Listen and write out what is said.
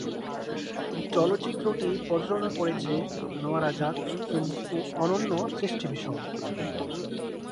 চলচ্চিত্রটি প্রযোজনা করেছে আনোয়ার আজাদ ফিল্মস ও অনন্য সৃষ্টি ভিশন।